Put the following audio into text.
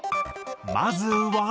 まずは。